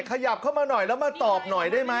ขยับเข้ามาหน่อยแล้วมาตอบหน่อยได้ไหม